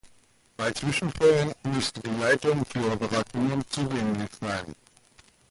Bei Zwischenfällen müsste die Leitung für Reparaturen zugänglich sein.